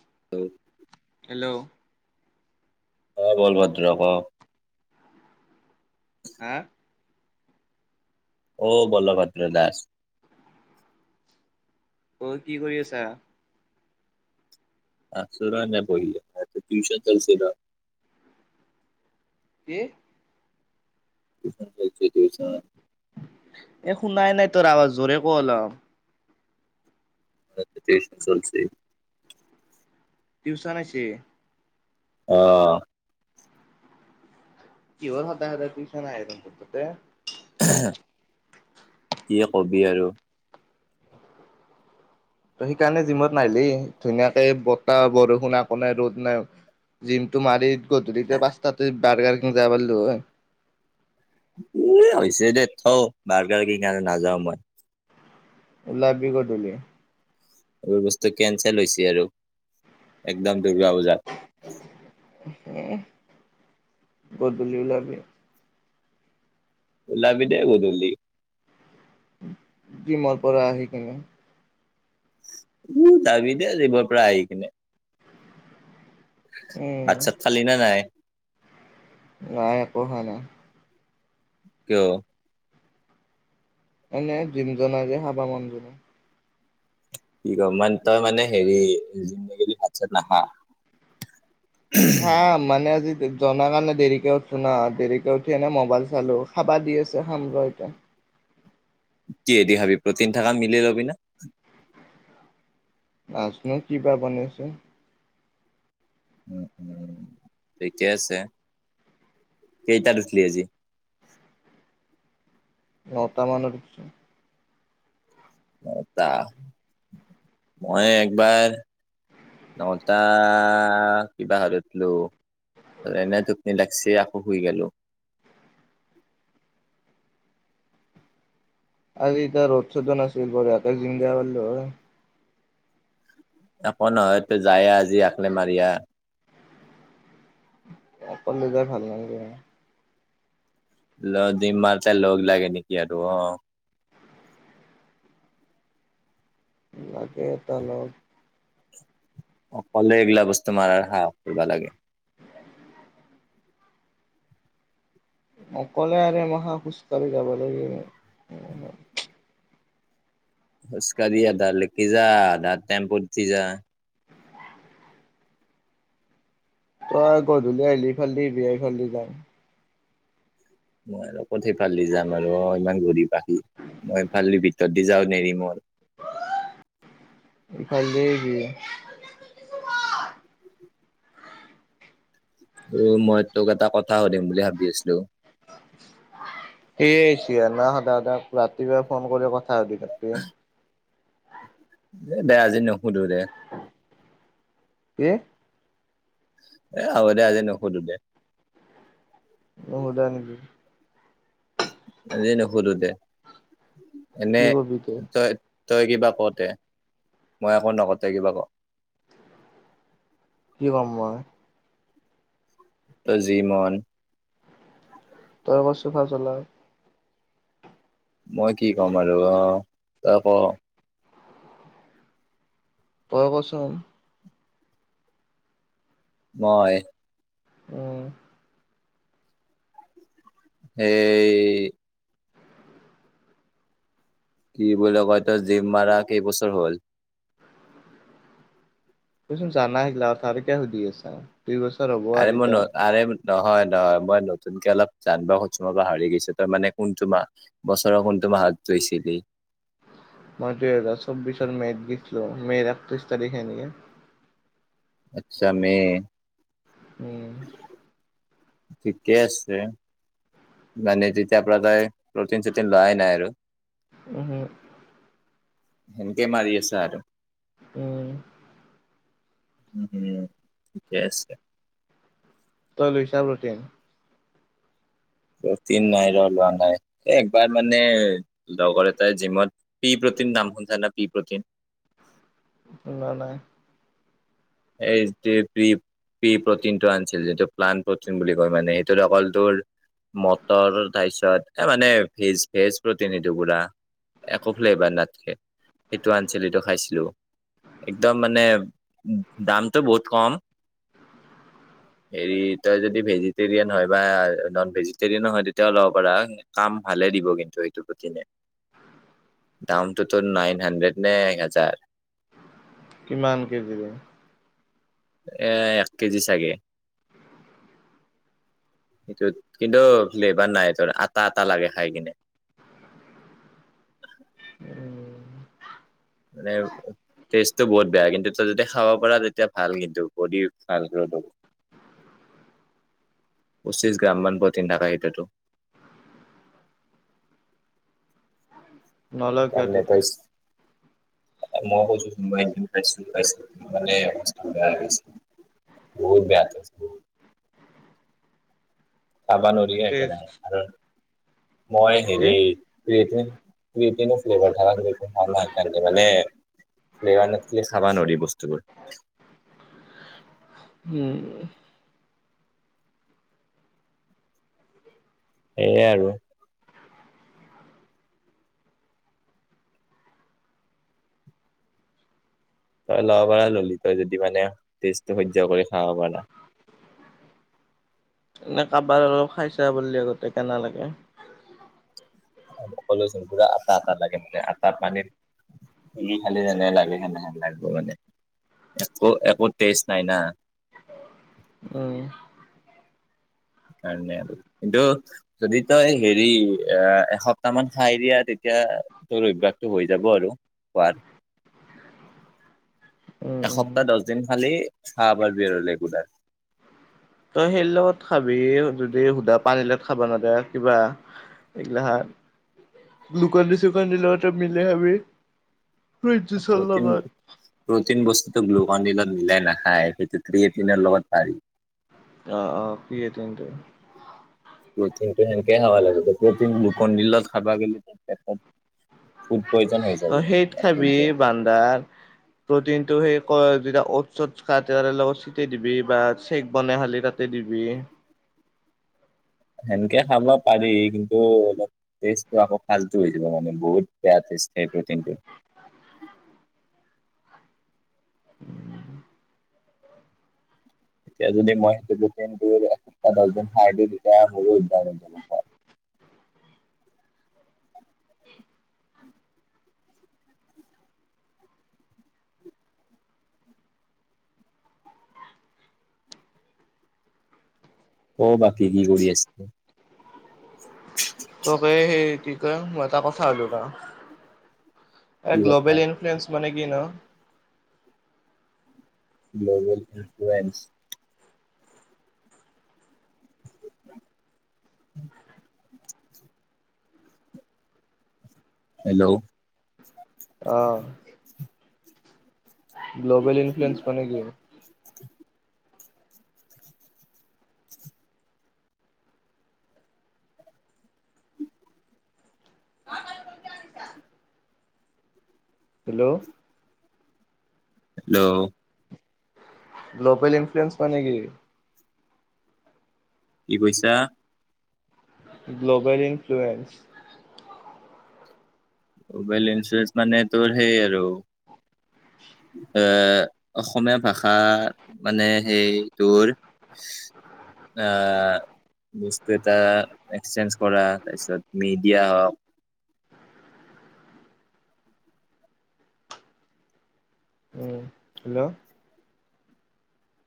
[unintelligible] Hello. অ' বলভদ্ৰ ক'? হা? অ' বলভদ্ৰ দাস? অই কি কৰি আছা? আছোঁ ৰ' এনে বহি ইয়াতে টিউচন চলিছে ৰ'। কি? টিউচন চলিছে। গৈ আছোঁ ৰ'। এ, শুনাই নাই তোৰ আৱাজ, জোৰে ক' অলপ। এতিয়া ঠিকে চলছে? টিউচন আছে? অ'। কিহৰ সদায় সদায় তিউছন আহে তহঁতৰ তাতে? কি কবি আৰু। ত' সেইকাৰণে জিমত নাহিলেই, ধুনীয়াকে বতাহ বৰষুণ একো নাই, ৰ'দ নাই। জিমটো মাৰি গধূলি পাঁচটাতে বাৰগাৰকিং যাব পাৰিলো হয়। উ, হৈছে দে, থ' বাৰগাৰ কি কাৰণে নাযাও মই। ওলাবি গধূলি। এইবোৰ বস্তু কেনচেল হৈছে আৰু। একদম দূৰ্গা পূজাত হে, গধূলি ওলাবি। ওলাবি দে গধূলি। জিমৰ পৰা আহি কিনে উ তাবি দে এই ভৰ পৰা আহ কি ননে উম আচ্ছা থালি ন নাই নাই একো হয় নাই ক এনে জিম জ যে হাবা মানুহজনো কি কম মান তই মানে হেৰি জিগ ভাত চাত নখা হা মানে আজি জননা কাৰণে দেৰিকে উঠো ন দেৰিকে উঠি আনে মোবাইল চালো খাবা দি আছে খাম এতিয়া কি এদি হাবি প্ৰ তিনি [unintelligible] মিলি লবি ন আাজনো কিবা বনাইছো উ উম ঠিকে আছে। কেইটাত উঠলি আজি নটা মানৰ পিছত টা মই একবাৰ নটা কিবা হতলো এনে ধপনি লাগছে আকৌ শুই গেলো [inaudible] আজিতিয়া ৰ'ড চ'টো নাছিল ব আ জিম দিয়া বাৰল আকৌ নহয় তো যায় আজি আকলে মাৰিয়া। অকণ নিজৰ ভাল লাগ ল দিম মাতে লগ লাগে নেকি আৰু অ', লাগে এটাল অকলে এইগিলা বস্তু মাৰাৰ হাহক কৰিবা লাগে। অকলে আৰু এমহা খোজ কঢ়ি যাব লাগিব। খোচকাঢ়ি আধা লেখি যা আধা টেম্পুত উথি যা। তই গধূলি আহিলিফালদি বিয়াাৰফালদি যাম। ম আৰু কঠি পালি যাম আৰু ইমান ঘূৰি পাখি মই ভাল ভিতৰত দি যাওঁ নেৰিম আৰু। এই খাল দেছ উম মই তোক এটা কথা সুধিম বুলি ভাবি আছিলো। সেই সিয়ানা দাদাই সাক ৰাতিপুৱাই ফোন কৰি কথা চাৰ দি কাটপি দে আজি নুসুধো দে। কি? আৰু দে আজি নহদু দে। নোহুদা নেকি? আজি নোহুডু দে। এনে কি কবি তই তই কিবা কতে। মই আকৌ নকতোই কিবা ক। কি কম মই জি মন‌ লগত চোফা জ্বলাই মই কি ক'ম আৰু অ তই ক। তই কচোন। মই‌? উম। সেই কি বুলি কয় তই জিম মাৰা কেইবছৰ হল? তয়চোন যানাই আৰু কিয় হুধীআছা? আৰে মন আৰে নহয় নহয় মই নতুনকে অলপ জান খুজছো মই পাহৰি গৈছো তই মানে কোনটো মাহ বছৰৰ কোনটো তোমাহাত [unintelligible] জইছিলি মাজিয়া চৌ্বিছৰ মেত [unintelligible] গীছিলল মে'ৰ একত্ৰিশ তাৰিখে নি আচ্ছা মে' উম। ঠিকে আছে। মানে তেতিয়া পৰা তায় প্ৰটিন চুটিন লোৱাই নাই আৰু। উহো। হেনেকে মাৰি আছা আৰু। উম। উম, উ, ঠিকে আছে। তই লৈছা প্ৰটিন? প্ৰটিন নাই লোৱা, লোৱা নাই, একবাৰ মানে লগৰ এটাই জিমত পি প্ৰটিন টিন নাম শুনিছানে নাই পি প্ৰ'টিন? শুনা নাই। এই যে প্ৰি প্ৰি প্ৰটিনটো আনিছিল যিটো প্লান প্ৰটিন বুলি কয় মানে, সেইটোৰ অকল তোৰ মটৰ তাৰপিছত এ মানে ভেজ-ভেজ প্ৰটিন এইটো পুৰা। একো ফ্লেভাৰ নাথকে, সেইটো আনিছিল খাইছিলো। একদম মানে দামটো বহুত কম। হেৰি তই যদি ভেজিটেৰিয়ান হয় বা নন ভেজিটেৰিয়ানো হয় তেতিয়া ল'ব পাৰা কাম ভালে। দিব কিন্তু এইটো প্ৰ'টিনে। দামটোতো তোৰ নাইন হানড্ৰেড নে এক হাজাৰ। কিমান কেজিৰে? এ-এক কেজি চাগে। [inaudible] সেটোত কিন্তু ফ্লেবাৰ নাই তোৰ, আটা আটা লাগে খাই কিনে। উম। [unintelligible] টেষ্টটো বহুত বেয়া, কিন্তু তই যেতিয়া খাব পাৰা তেতিয়া ভাল কিন্তু বডি ভাল গ্ৰো [inaudible] পচিঁছ গ্ৰামমান প্ৰটিন থাকে সেইটোতো। [inaudible] ন'ল কিয় তে তই? মই কৈছোঁ খাইছো [unintelligible] খাইছোলে অ বেয়া লছে বহুত বেয়া টেষ্ট বহুত। খাবা নৰি কি একেৰাহে আৰু মই হেৰিৰ ক্ৰিয়েটিন ক্ৰিয়েটিনৰ ফেলেবাৰ নে মানে ফ্লেভাৰ নাথকিলে খাবা নোৱাৰি বস্তুবোৰ। উম। সেয়াই আৰু। তই ল'ব পাৰা ল'লি তই যদি মানে ষ্টেটো সহ্য কৰি খাব পাৰা। খাবা নৰো, খাইছা বুলি আগতে কেনে লাগে। ক'লোচোন পুৰা আটা আটা লাগে মানে আটা পানীত গিলি খালি যেনে লাগে সেনেহেন লাগিব মানে। একো-একো টেষ্ট নাই না। উম। সেইকাৰণে আৰু, কিন্তু যদি তই হেৰি এ-এসপ্তাহ মান খাই দিয়া তেতিয়া এতিয়া তোৰ অভ্যাসটো হৈ যাব আৰু খোৱাৰ। [inaudible] উম উম এসপ্তাহ দহ দিন খালেই খাবা পাৰবি আৰু ৰেগুলাৰ। তই সেই লগত খাবি যদি সুধা পানী লগত খাবা নৰা কিবা এইগিলা গুলকনদি চুকনদি লগতো মিলাই খাবি। ফ্ৰুইট জুচৰ প্ৰটিন লগত প্ৰটিন বস্তুটো গুল [unintelligible] মিলাই নাখায় সেইটো ক্ৰিয়েটিনৰ লগত পাৰি। অ', অ', ক্ৰিয়েটিনটো। প্ৰটিনটো সেনেকে খাব লাগে, প্ৰটিন গুলকিন দি লগত খাবা গেলি পেটত ফুড পয়জন হৈ যাব তই সেইত লাষ্টত খাবি যায় বান্দাৰ প্ৰটিনটো সেই কয় [unintelligible] ওটছ তটচ খা তাৰে লগত চিটাই দিবি বা চেক বনাই খালি তাতে দিবি। সেনেকে খাবা পাৰি কিন্তু অলপ টেষ্ট আকৌ ফাল্টু হৈ যাব মানে বহুত বেয়া [unintelligible] সেই প্ৰটিনটোৰ। [inaudible] উম। তেতিয়া যদি মই সেই তেতিয়া [unintelligible] [unintelligible] [inaudible] অ' বাকী কি কৰি আছে। তোক সেই কি কয় এটা কথা শুধো ৰ'। এ কি কথা গ্ল'বেল ইনফ্লুয়েন্স মানে কিনো? Global influence. হেল্ল'। অ'। গ্ল'বেল ইনফ্লুয়েন্স মানে কি? হেল্ল'। হেল্ল'। গ্ল'পেল ইনফ্লুয়েন্স মানে কি? কি কৈছা? Global influence. গ'বেল ইঞ্চুৰেঞ্চ মানে তোৰ সেই আৰু, এ অসমীয়া ভাষা মানে সেই তোৰ অ'। বস্তু এটা এক্সচেঞ্জ কৰা তাৰপিছত মিডিয়া হওঁক। উম, হেল্ল'।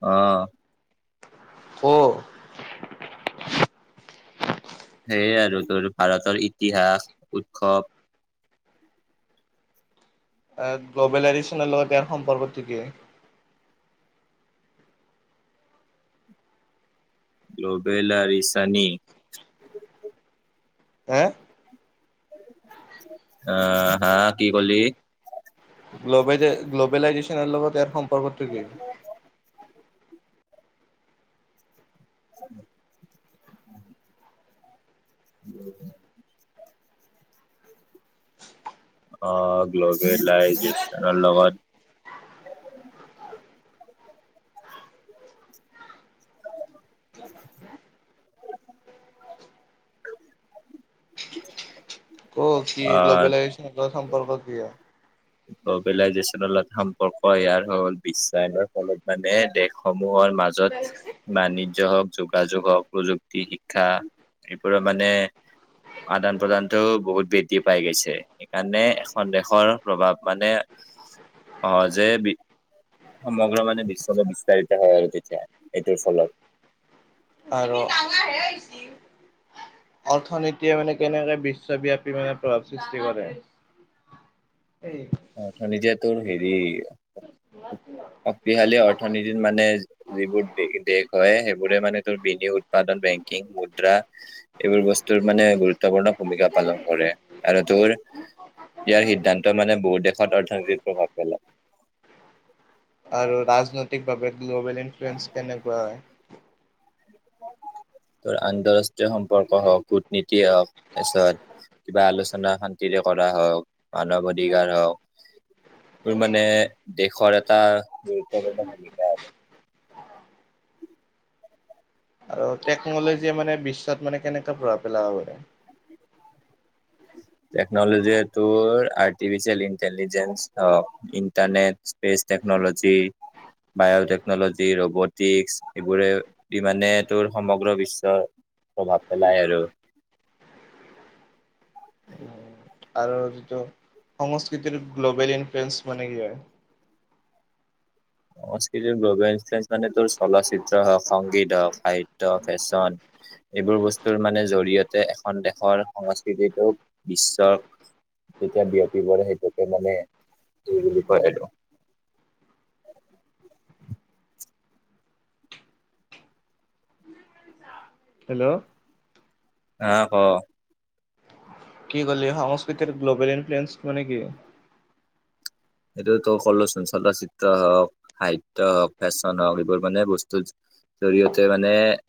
অ'। কো। সেয়ে আৰু তোৰ ভাৰতৰ ইতিহাস উৎসৱ। এ গ্ল'বেল এডিশনৰ লগত ইয়াৰ সম্পৰ্কটো কি? গ্ল'বেল আৰিছানী। হে অ' হা কি ক'লি। গ্ল'বে গ্ল'বেল লাইজেশচনৰ লগত ইয়াৰ সম্পৰ্কটো কি? [inaudible] [inaudible] অ' গ্ল'বেল লাইচেন্সৰ লগত। ক' কি অ' গ্ল'বেল লাইচেন্সৰ সম্পৰ্ক কি হয়? গ্ল'বেল লাইচেন্সত সম্পৰ্ক ইয়াৰ হ'ল বিশ্বয়ানৰ ফলত মানে দেশসমূহত মাজত বাণিজ্য হওঁক যোগাযোগ, হওঁক প্ৰযুক্তি, শিক্ষা। এইবোৰ মানে। আদান প্ৰদানটো বহুত বৃদ্ধি পাই গৈছে সেইকাৰণে এখন দেশৰ প্ৰভাৱ মানে, সহজে সমগ্ৰ মানে বিশ্বতে বিস্তাৰিত হয় আৰু তেতিয়া এইটোৰ ফলত। আৰু। অৰ্থনীতিয়ে মানে কেনেকে বিশ্ববিয়াপি মানে প্ৰভাৱ সৃষ্টি কৰে। এই। অৰ্থনীতিয়ে তোৰ হেৰি শক্তিশালী অৰ্থনীতিত মানে, যিবোৰ দ-দেশ হয় সেইবোৰে মানে তোৰ বিনি উৎপাদন। বেংকিং মুদ্ৰা এইবোৰ বস্তুৰ মানে গুৰুত্বপূৰ্ণ ভূমিকা পালন কৰে আৰু তোৰ [unintelligible] ইয়াৰ সিদ্ধান্ত মানে বহু দেশত অৰ্থনৈতিক প্ৰভাৱ পেলায়। [unintelligible] ৰাজনৈতিকভাৱে গ্ল'বেল ইনফ্লএঞ্চ কেনেকুৱা হয়? [unintelligible] তোৰ আন্তৰাষ্ট্ৰীয় সম্পৰ্ক হওক, কূটনীতিয়ে হওক, তাৰপিছত কিবা আলোচনা শান্তিৰেও কৰা হওক, মানৱ অধিকাৰ হওঁক। তোৰ মানে দেশৰ এটা গুৰুত্বপূৰ্ণ ভূমিকা আৰু। [unintelligible] আৰু টেকনলজিয়ে মানে বিশ্বত মানে কেনেকে প্ৰভাৱ পেলাব পাৰে? [unintelligible] টেকনলজি তোৰ artificial intelligence, internet space. Technology. Biotechnology, robotics এইবোৰে ইমানে তোৰ সমগ্ৰ বিশ্বৰ প্ৰভাৱ পেলায়াই আৰু। [unintelligible] আৰু যিটো সংস্কৃতিৰ গ্ল'বেল ইনফ্লয়েন্ঞ্চ মানে কি হয়? সংস্কৃতিৰ গ্ল'বেল ইনফ্লয়েন্ঞ্চ মানে তোৰ চলচিত্ৰ হওঁক, সংগীত হওঁক, সাহিত্য ফেশ্বন। এইবোৰ বস্তুৰ মানে জৰিয়তে এখন দেশৰ সংস্কৃতিটোক বিশ্বৰ যেতিয়া বিয়পি পৰে, সেইটোকে মানে এই বুলি কয় সেইটো। [inaudible] হেল্ল'। অ', ক? কি কলি সংস্কৃতিৰ গ্ল'বেল ইনফ্লুয়েন্স মানে কি? এইটোতো কলোচোন, চলচিত্ৰ হওঁক, সাহিত্য হওঁক, ফেশ্বন হওক এইবোৰ মানে বস্তু। জৰিয়তে মানে